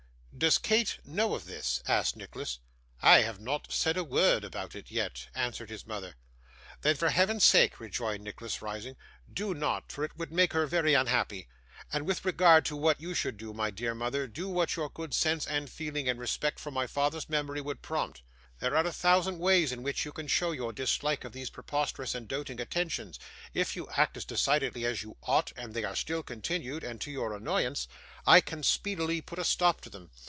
'Does Kate know of this?' asked Nicholas. 'I have not said a word about it yet,' answered his mother. 'Then, for Heaven's sake,' rejoined Nicholas, rising, 'do not, for it would make her very unhappy. And with regard to what you should do, my dear mother, do what your good sense and feeling, and respect for my father's memory, would prompt. There are a thousand ways in which you can show your dislike of these preposterous and doting attentions. If you act as decidedly as you ought and they are still continued, and to your annoyance, I can speedily put a stop to them.